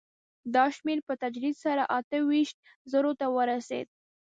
دا شمېر په تدریج سره اته ویشت زرو ته ورسېد